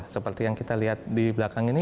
seperti yang kita lihat di belakang ini